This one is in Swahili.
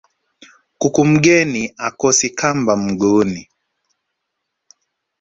Kuku mgeni hakosi kamba mguuni